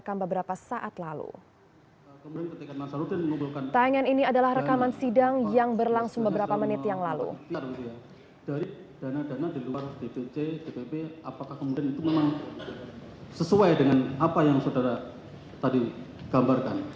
dana di luar dpc dpp apakah kemudian itu memang sesuai dengan apa yang saudara tadi gambarkan